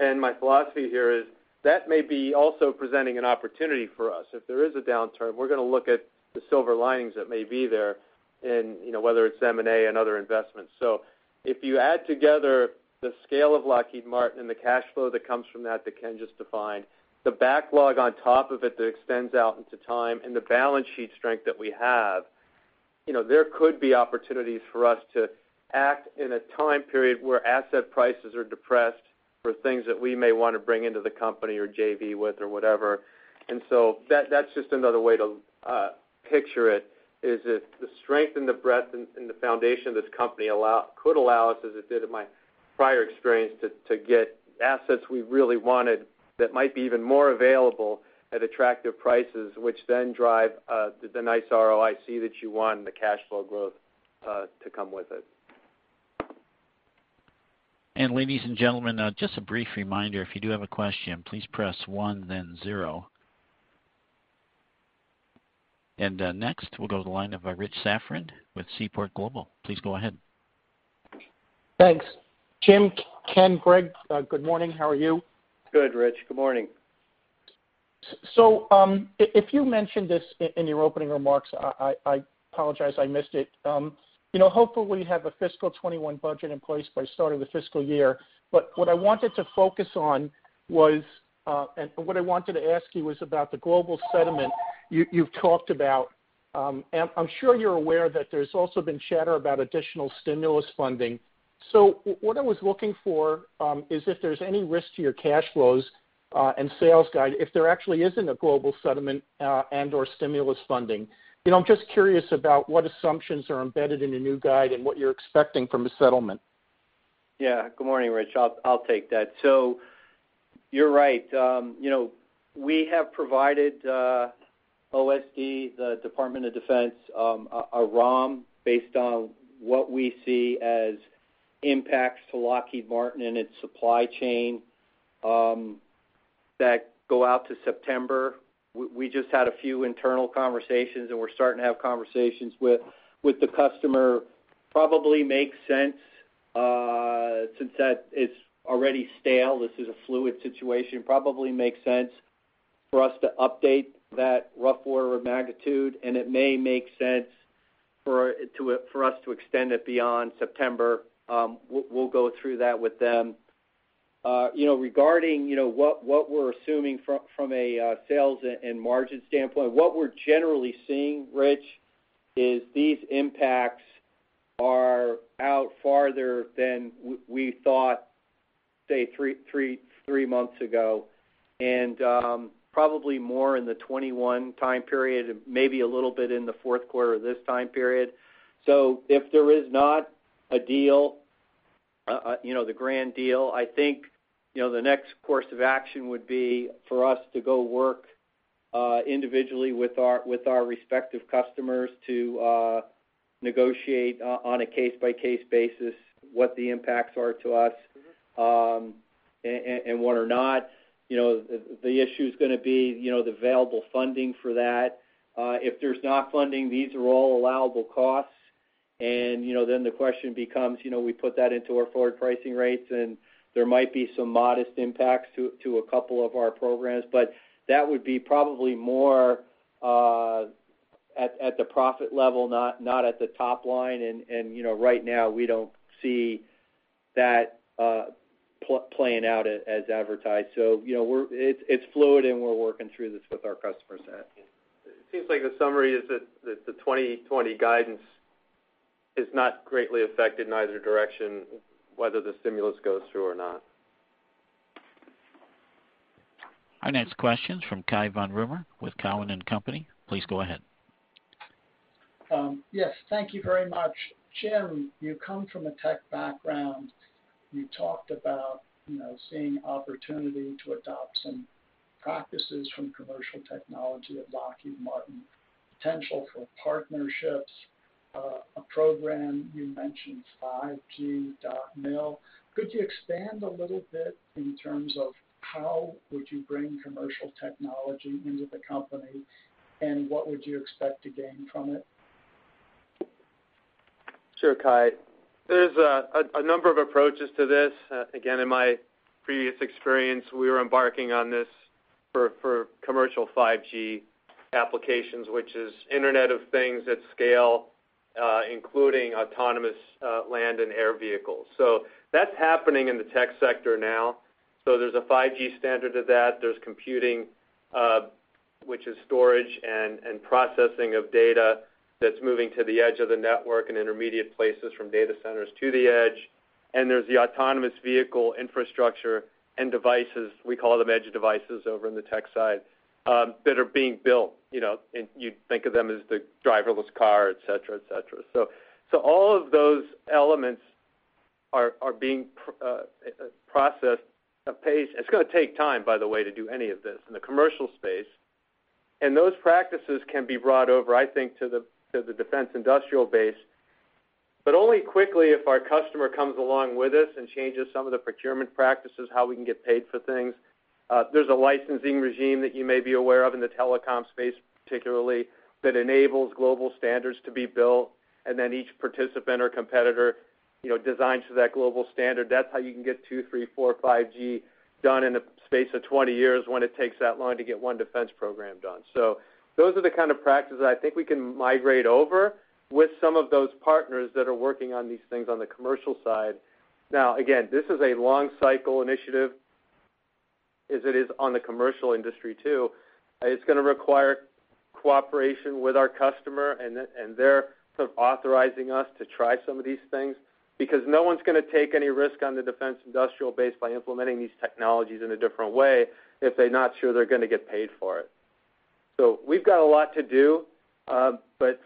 and my philosophy here is that may be also presenting an opportunity for us. If there is a downturn, we're going to look at the silver linings that may be there, and whether it's M&A and other investments. If you add together the scale of Lockheed Martin and the cash flow that comes from that Ken just defined, the backlog on top of it that extends out into time, and the balance sheet strength that we have, there could be opportunities for us to act in a time period where asset prices are depressed for things that we may want to bring into the company or JV with or whatever. That's just another way to picture it, is that the strength and the breadth and the foundation of this company could allow us, as it did in my prior experience, to get assets we really wanted that might be even more available at attractive prices, which then drive the nice ROIC that you want and the cash flow growth to come with it. Ladies and gentlemen, just a brief reminder, if you do have a question, please press one then zero. Next, we'll go to the line of Rich Safran with Seaport Global. Please go ahead. Thanks. Jim, Ken, Greg, good morning. How are you? Good, Rich. Good morning. If you mentioned this in your opening remarks, I apologize I missed it. Hopefully we have a fiscal 2021 budget in place by starting the fiscal year. What I wanted to focus on was, and what I wanted to ask you was about the global settlement you've talked about. I'm sure you're aware that there's also been chatter about additional stimulus funding. What I was looking for is if there's any risk to your cash flows and sales guide, if there actually isn't a global settlement and/or stimulus funding. I'm just curious about what assumptions are embedded in the new guide and what you're expecting from a settlement. Good morning, Rich. I'll take that. You're right. We have provided OSD, the Department of Defense, a ROM based on what we see as impacts to Lockheed Martin and its supply chain that go out to September. We just had a few internal conversations, and we're starting to have conversations with the customer. Probably makes sense since that it's already stale. This is a fluid situation. Probably makes sense for us to update that rough order of magnitude, and it may make sense for us to extend it beyond September. We'll go through that with them. Regarding what we're assuming from a sales and margin standpoint, what we're generally seeing, Rich, is these impacts are out farther than we thought, say, three months ago, and probably more in the 2021 time period, maybe a little bit in the fourth quarter of this time period. If there is not a deal, the grand deal, I think the next course of action would be for us to go work individually with our respective customers to negotiate on a case-by-case basis what the impacts are to us and what are not. The issue's going to be the available funding for that. If there's not funding, these are all allowable costs, and then the question becomes we put that into our forward pricing rates, and there might be some modest impacts to a couple of our programs. That would be probably more at the profit level, not at the top line, and right now we don't see that playing out as advertised. It's fluid, and we're working through this with our customer set. It seems like the summary is that the 2020 guidance is not greatly affected in either direction, whether the stimulus goes through or not. Our next question's from Cai von Rumohr with Cowen and Company. Please go ahead. Yes. Thank you very much. Jim, you come from a tech background. You talked about seeing opportunity to adopt some practices from commercial technology at Lockheed Martin, potential for partnerships, a program, you mentioned 5G.MIL. Could you expand a little bit in terms of how would you bring commercial technology into the company, and what would you expect to gain from it? Sure, Cai. There's a number of approaches to this. Again, in my previous experience, we were embarking on this for commercial 5G applications, which is Internet of Things at scale, including autonomous land and air vehicles. That's happening in the tech sector now. There's a 5G standard to that. There's computing, which is storage and processing of data that's moving to the edge of the network and intermediate places from data centers to the edge. There's the autonomous vehicle infrastructure and devices, we call them edge devices over in the tech side, that are being built, and you'd think of them as the driverless car, et cetera. All of those elements are being processed at pace. It's going to take time, by the way, to do any of this in the commercial space. Those practices can be brought over, I think, to the defense industrial base, but only quickly if our customer comes along with us and changes some of the procurement practices, how we can get paid for things. There's a licensing regime that you may be aware of in the telecom space particularly, that enables global standards to be built, and then each participant or competitor designs to that global standard. That's how you can get 2, 3, 4, 5G done in the space of 20 years when it takes that long to get one defense program done. Those are the kind of practices I think we can migrate over with some of those partners that are working on these things on the commercial side. Again, this is a long cycle initiative as it is on the commercial industry too. It's going to require cooperation with our customer, and they're sort of authorizing us to try some of these things because no one's going to take any risk on the defense industrial base by implementing these technologies in a different way if they're not sure they're going to get paid for it. We've got a lot to do.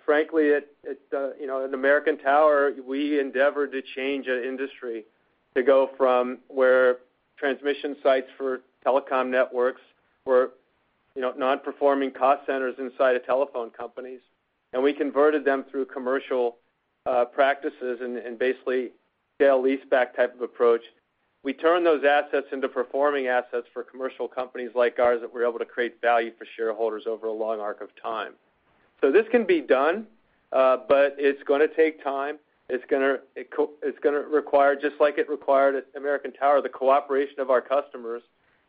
Frankly, at American Tower, we endeavor to change an industry to go from where transmission sites for telecom networks were non-performing cost centers inside of telephone companies, and we converted them through commercial practices and basically sale-leaseback type of approach. We turn those assets into performing assets for commercial companies like ours that we're able to create value for shareholders over a long arc of time. This can be done, but it's going to take time. It's going to require, just like it required at American Tower, the cooperation of our customers,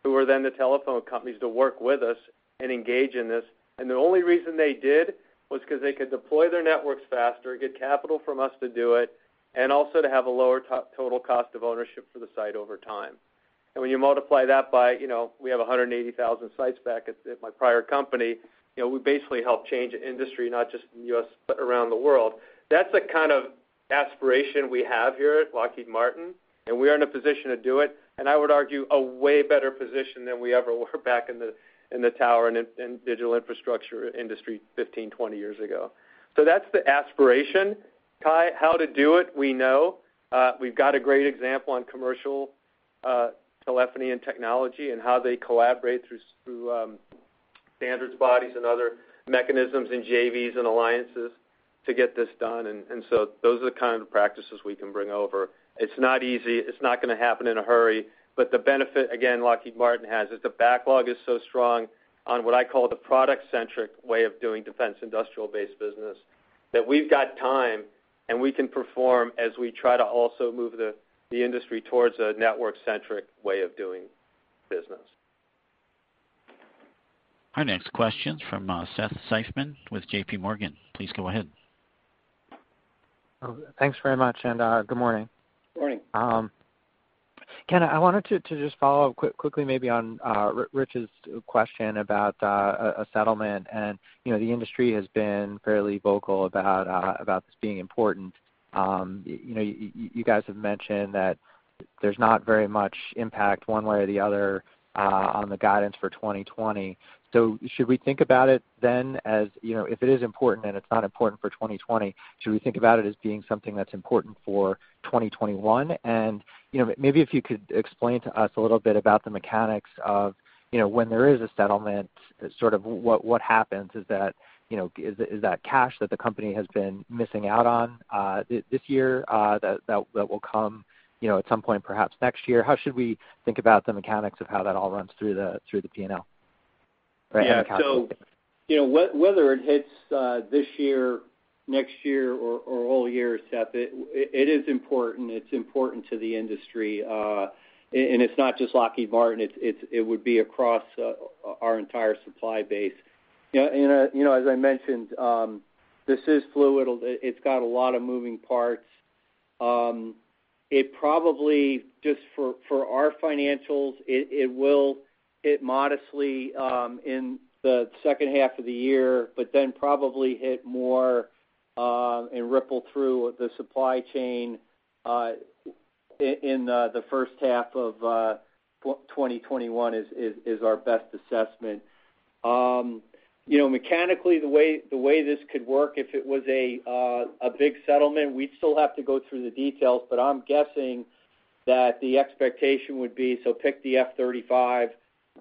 who are then the telephone companies to work with us and engage in this. The only reason they did was because they could deploy their networks faster, get capital from us to do it, and also to have a lower total cost of ownership for the site over time. When you multiply that by, we have 180,000 sites back at my prior company, we basically helped change an industry, not just in the U.S., but around the world. That's the kind of aspiration we have here at Lockheed Martin, and we are in a position to do it, and I would argue, a way better position than we ever were back in the tower and digital infrastructure industry 15, 20 years ago. That's the aspiration. Cai, how to do it, we know. We've got a great example on commercial telephony and technology and how they collaborate through standards, bodies, and other mechanisms and JVs and alliances to get this done. Those are the kind of practices we can bring over. It's not easy. It's not going to happen in a hurry. The benefit, again, Lockheed Martin has is the backlog is so strong on what I call the product-centric way of doing defense industrial based business, that we've got time, and we can perform as we try to also move the industry towards a network-centric way of doing business. Our next question's from Seth Seifman with JPMorgan. Please go ahead. Thanks very much, and good morning. Morning. Ken, I wanted to just follow up quickly maybe on Rich's question about a settlement. The industry has been fairly vocal about this being important. You guys have mentioned that there's not very much impact one way or the other on the guidance for 2020. Should we think about it then as, if it is important, and it's not important for 2020, should we think about it as being something that's important for 2021? Maybe if you could explain to us a little bit about the mechanics of when there is a settlement, sort of what happens is that cash that the company has been missing out on this year that will come at some point, perhaps next year? How should we think about the mechanics of how that all runs through the P&L? Yeah. Whether it hits this year, next year, or all years, Seth, it is important. It's important to the industry. It's not just Lockheed Martin. It would be across our entire supply base. As I mentioned, this is fluid. It's got a lot of moving parts. It probably, just for our financials, it will hit modestly in the second half of the year, but then probably hit more Ripple through the supply chain, in the first half of 2021 is our best assessment. Mechanically, the way this could work, if it was a big settlement, we'd still have to go through the details, but I'm guessing that the expectation would be, so pick the F-35,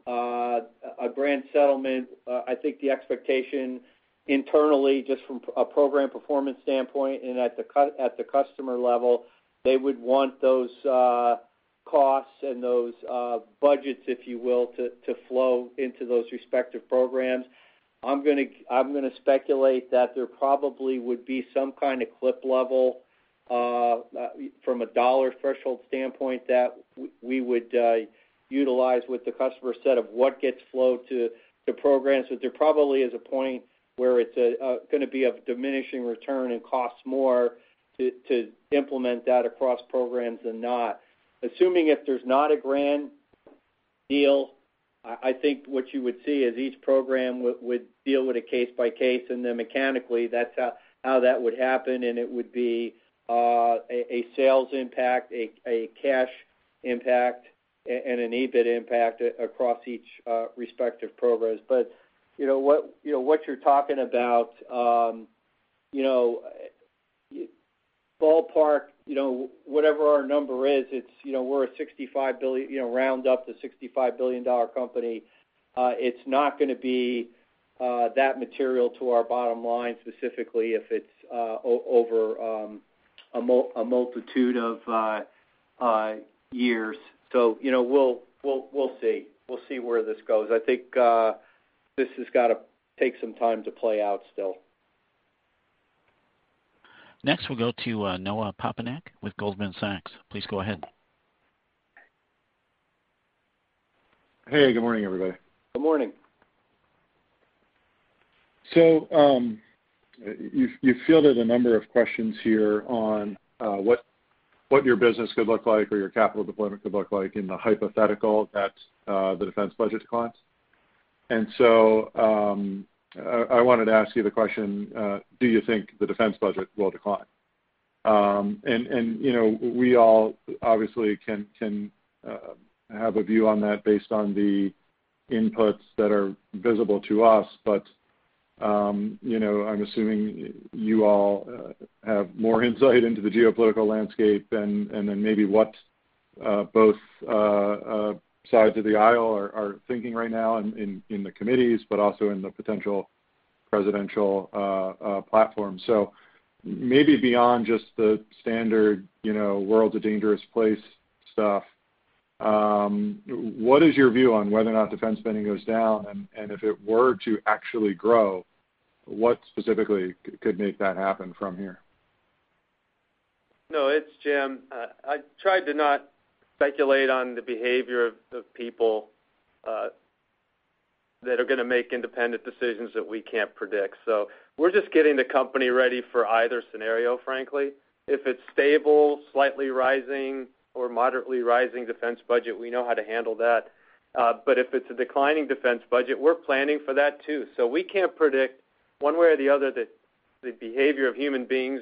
a grand settlement. I think the expectation internally, just from a program performance standpoint and at the customer level, they would want those costs and those budgets, if you will, to flow into those respective programs. I'm going to speculate that there probably would be some kind of clip level, from a dollar threshold standpoint, that we would utilize with the customer set of what gets flowed to the programs. There probably is a point where it's going to be of diminishing return and costs more to implement that across programs than not. Assuming if there's not a grand deal, I think what you would see is each program would deal with a case by case. Mechanically, that's how that would happen, and it would be a sales impact, a cash impact, and an EBIT impact across each respective programs. What you're talking about, ballpark, whatever our number is, we're a round up to $65 billion company. It's not going to be that material to our bottom line, specifically if it's over a multitude of years. We'll see where this goes. I think this has got to take some time to play out still. Next, we'll go to Noah Poponak with Goldman Sachs. Please go ahead. Hey, good morning, everybody. Good morning. You fielded a number of questions here on what your business could look like or your capital deployment could look like in the hypothetical that the defense budget declines. I wanted to ask you the question, do you think the defense budget will decline? We all obviously can have a view on that based on the inputs that are visible to us. I'm assuming you all have more insight into the geopolitical landscape, then maybe what both sides of the aisle are thinking right now in the committees, but also in the potential presidential platform. Maybe beyond just the standard world's a dangerous place stuff, what is your view on whether or not defense spending goes down? If it were to actually grow, what specifically could make that happen from here? No, it's Jim. I try to not speculate on the behavior of people that are going to make independent decisions that we can't predict. We're just getting the company ready for either scenario, frankly. If it's stable, slightly rising, or moderately rising defense budget, we know how to handle that. If it's a declining defense budget, we're planning for that, too. We can't predict one way or the other, the behavior of human beings,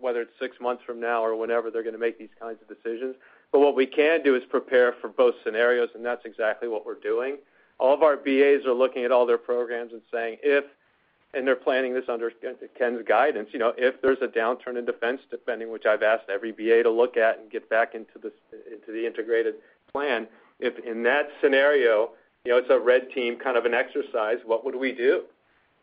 whether it's six months from now or whenever they're going to make these kinds of decisions. What we can do is prepare for both scenarios, and that's exactly what we're doing. All of our BAs are looking at all their programs and saying, if, and they're planning this under Ken's guidance, if there's a downturn in defense depending which I've asked every BA to look at and get back into the integrated plan. In that scenario, it's a red team kind of an exercise, what would we do?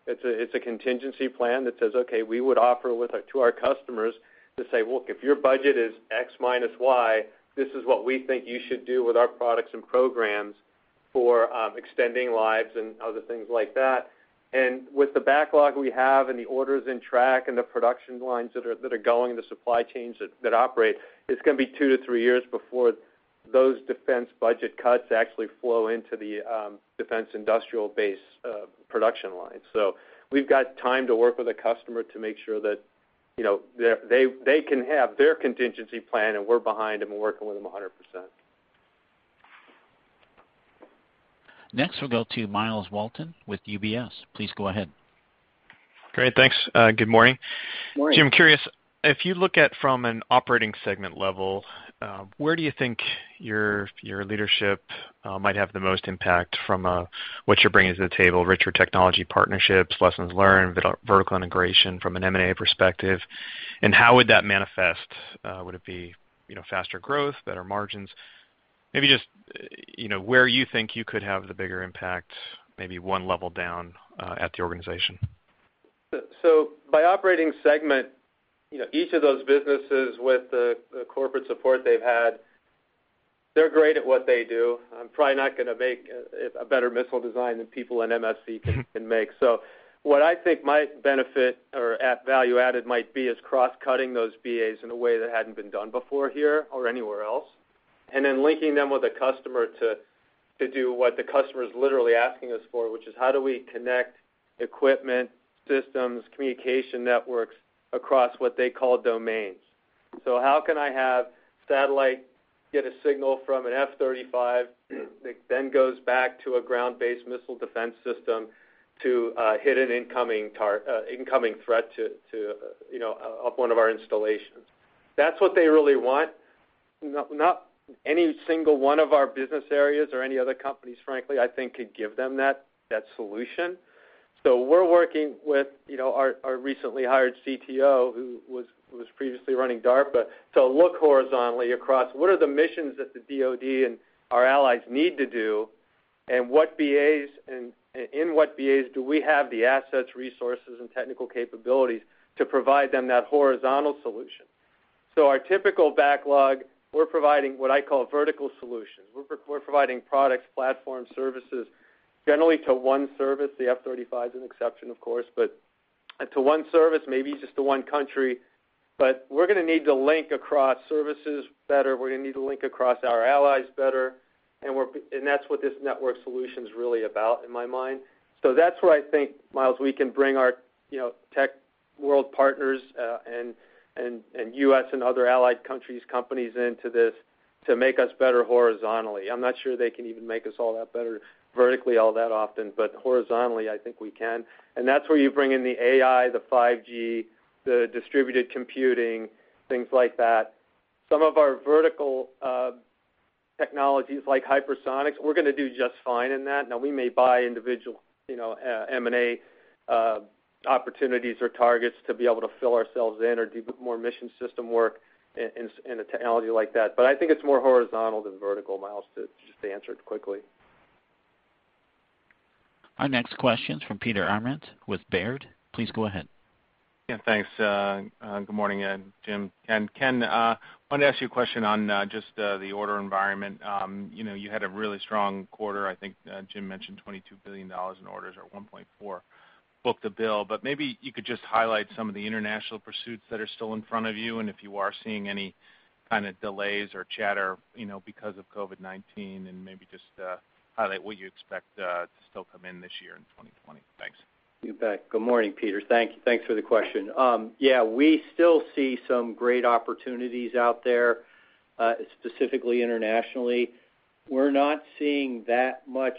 It's a contingency plan that says, okay, we would offer to our customers to say, "Look, if your budget is X minus Y, this is what we think you should do with our products and programs for extending lives and other things like that." With the backlog we have and the orders in track and the production lines that are going, the supply chains that operate, it's going to be two to three years before those defense budget cuts actually flow into the defense industrial base production line. We've got time to work with a customer to make sure that they can have their contingency plan and we're behind them and working with them 100%. Next, we'll go to Myles Walton with UBS. Please go ahead. Great. Thanks. Good morning. Morning. Jim, curious, if you look at from an operating segment level, where do you think your leadership might have the most impact from what you're bringing to the table? Richer technology partnerships, lessons learned, vertical integration from an M&A perspective, and how would that manifest? Would it be faster growth, better margins? Maybe just, where you think you could have the bigger impact, maybe 1 level down, at the organization. By operating segment, each of those businesses with the corporate support they've had, they're great at what they do. I'm probably not going to make a better missile design than people in MFC can make. What I think my benefit or value added might be is cross-cutting those BAs in a way that hadn't been done before here or anywhere else. Linking them with a customer to do what the customer's literally asking us for, which is how do we connect equipment, systems, communication networks across what they call domains. How can I have satellite get a signal from an F-35 that then goes back to a ground-based missile defense system to hit an incoming threat to one of our installations. That's what they really want. Not any single one of our business areas or any other companies, frankly, I think could give them that solution. We're working with our recently hired CTO, who was previously running DARPA, to look horizontally across what are the missions that the DoD and our allies need to do, and in what BAs do we have the assets, resources, and technical capabilities to provide them that horizontal solution. Our typical backlog, we're providing what I call vertical solutions. We're providing products, platforms, services, generally to one service. The F-35 is an exception, of course, but to one service, maybe just to one country. We're going to need to link across services better. We're going to need to link across our allies better. That's what this network solution's really about in my mind. That's where I think, Myles, we can bring our tech world partners, and U.S. and other allied countries' companies into this to make us better horizontally. I'm not sure they can even make us all that better vertically all that often, but horizontally, I think we can. That's where you bring in the AI, the 5G, the distributed computing, things like that. Some of our vertical technologies like hypersonics, we're going to do just fine in that. Now, we may buy individual M&A opportunities or targets to be able to fill ourselves in or do more mission system work in a technology like that. I think it's more horizontal than vertical, Myles, to just answer it quickly. Our next question's from Peter Arment with Baird. Please go ahead. Yeah, thanks. Good morning, Jim and Ken. I wanted to ask you a question on just the order environment. You had a really strong quarter. I think Jim mentioned $22 billion in orders or 1.4 book-to-bill, but maybe you could just highlight some of the international pursuits that are still in front of you, and if you are seeing any kind of delays or chatter because of COVID-19, and maybe just highlight what you expect to still come in this year in 2020. Thanks. You bet. Good morning, Peter. Thank you. Thanks for the question. Yeah, we still see some great opportunities out there, specifically internationally. We're not seeing that much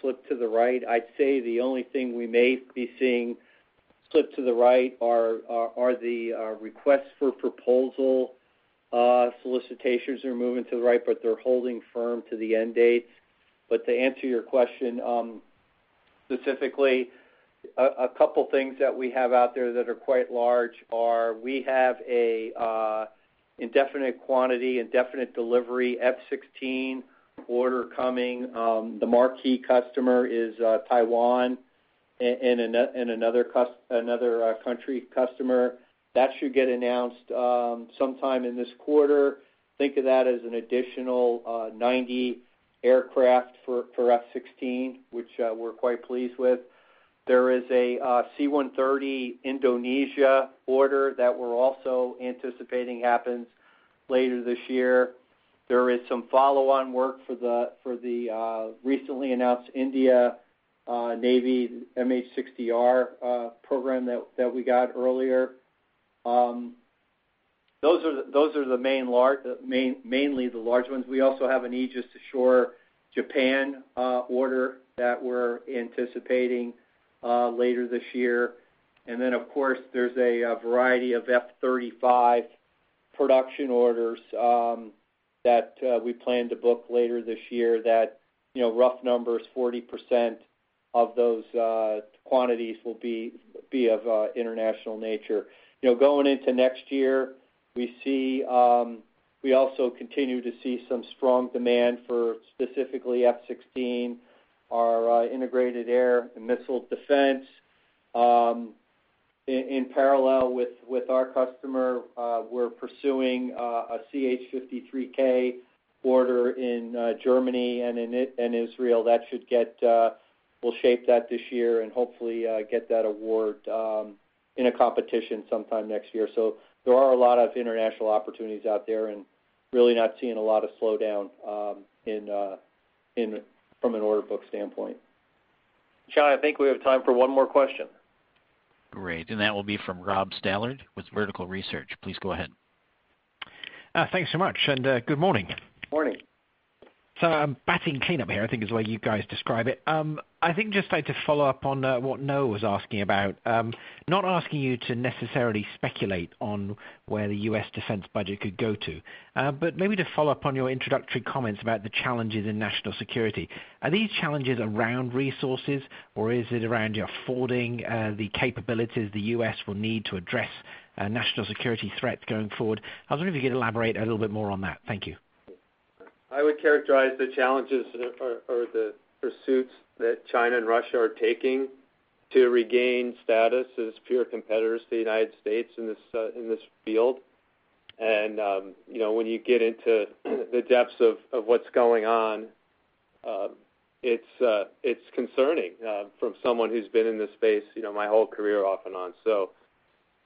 slip to the right. I'd say the only thing we may be seeing slip to the right are the requests for proposal solicitations are moving to the right, but they're holding firm to the end dates. To answer your question specifically, a couple things that we have out there that are quite large are we have a indefinite quantity, indefinite delivery F-16 order coming. The marquee customer is Taiwan and another country customer. That should get announced sometime in this quarter. Think of that as an additional 90 aircraft for F-16, which we're quite pleased with. There is a C-130 Indonesia order that we're also anticipating happens later this year. There is some follow-on work for the recently announced India Navy MH-60R program that we got earlier. Those are mainly the large ones. We also have an Aegis Ashore Japan order that we're anticipating later this year. Of course, there's a variety of F-35 production orders that we plan to book later this year that, rough numbers, 40% of those quantities will be of international nature. Going into next year, we also continue to see some strong demand for specifically F-16, our integrated air and missile defense. In parallel with our customer, we're pursuing a CH-53K order in Germany and Israel. We'll shape that this year and hopefully get that award in a competition sometime next year. There are a lot of international opportunities out there and really not seeing a lot of slowdown from an order book standpoint. Sean, I think we have time for one more question. Great. That will be from Rob Stallard with Vertical Research. Please go ahead. Thanks so much, and good morning. Morning. I'm batting cleanup here, I think is the way you guys describe it. I think just like to follow up on what Noah was asking about. Not asking you to necessarily speculate on where the U.S. defense budget could go to. Maybe to follow up on your introductory comments about the challenges in national security. Are these challenges around resources, or is it around affording the capabilities the U.S. will need to address national security threats going forward? I was wondering if you could elaborate a little bit more on that. Thank you. I would characterize the challenges or the pursuits that China and Russia are taking to regain status as peer competitors to the United States in this field. When you get into the depths of what's going on, it's concerning from someone who's been in this space my whole career off and on.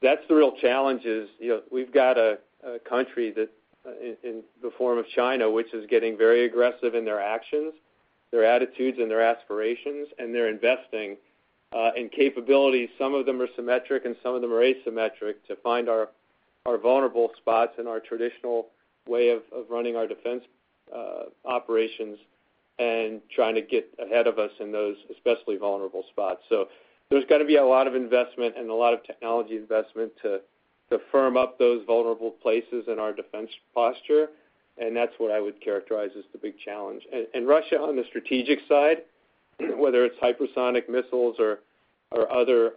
That's the real challenge is we've got a country that, in the form of China, which is getting very aggressive in their actions, their attitudes and their aspirations, and they're investing in capabilities. Some of them are symmetric and some of them are asymmetric to find our vulnerable spots in our traditional way of running our defense operations and trying to get ahead of us in those especially vulnerable spots. There's got to be a lot of investment and a lot of technology investment to firm up those vulnerable places in our defense posture, and that's what I would characterize as the big challenge. Russia on the strategic side, whether it's hypersonic missiles or other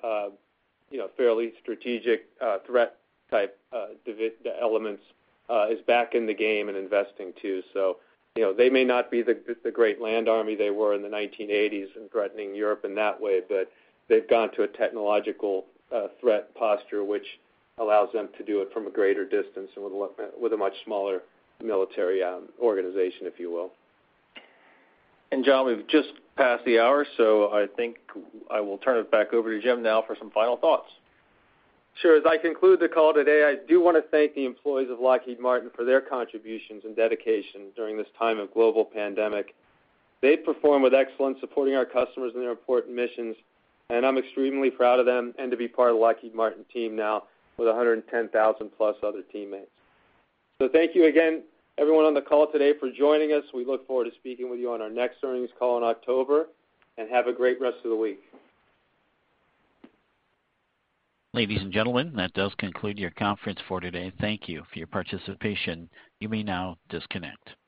fairly strategic threat type elements is back in the game and investing too. They may not be the great land army they were in the 1980s and threatening Europe in that way, but they've gone to a technological threat posture, which allows them to do it from a greater distance and with a much smaller military organization, if you will. John, we've just passed the hour, so I think I will turn it back over to Jim now for some final thoughts. Sure. As I conclude the call today, I do want to thank the employees of Lockheed Martin for their contributions and dedication during this time of global pandemic. They perform with excellence supporting our customers in their important missions. I'm extremely proud of them and to be part of the Lockheed Martin team now with 110,000 plus other teammates. Thank you again everyone on the call today for joining us. We look forward to speaking with you on our next earnings call in October. Have a great rest of the week. Ladies and gentlemen, that does conclude your conference for today. Thank you for your participation. You may now disconnect.